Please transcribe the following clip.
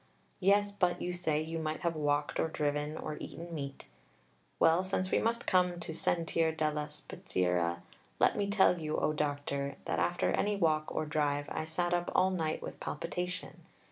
Yes, but, you say, you might have walked or driven or eaten meat. Well, since we must come to sentir della spezieria, let me tell you, O Doctor, that after any walk or drive I sat up all night with palpitation.